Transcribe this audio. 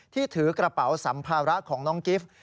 ถือกระเป๋าสัมภาระของน้องกิฟต์